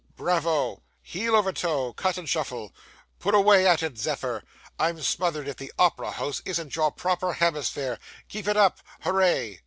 'Bravo! Heel over toe cut and shuffle pay away at it, Zephyr! I'm smothered if the opera house isn't your proper hemisphere. Keep it up! Hooray!